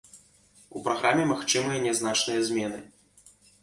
У праграме магчымыя нязначныя змены.